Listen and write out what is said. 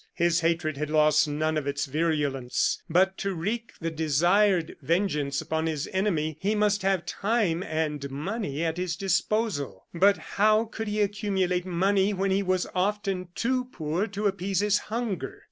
His hatred had lost none of its virulence; but to wreak the desired vengeance upon his enemy, he must have time and money at his disposal. But how could he accumulate money when he was often too poor to appease his hunger?